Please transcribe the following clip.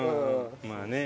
まあね。